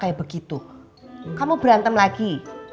kayak begitu kamu berantem lagi